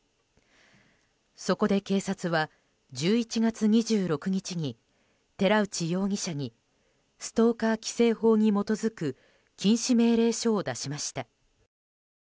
そこで警察は１１月２６日に寺内容疑者にストーカー規制法に基づく禁止命令書を出しました。